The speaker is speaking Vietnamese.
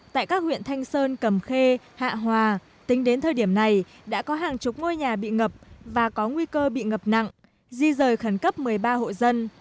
tại các huyện thanh sơn cầm khê hạ hòa tính đến thời điểm này đã có hàng chục ngôi nhà bị ngập và có nguy cơ bị ngập nặng di rời khẩn cấp một mươi ba hộ dân